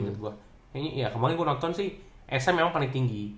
kayaknya ya kemarin gua nonton sih esa memang paling tinggi